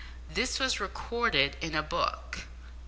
This was recorded in a book.